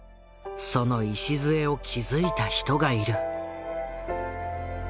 その礎を築いた人がいる。